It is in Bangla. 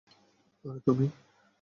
আরে, তুমি!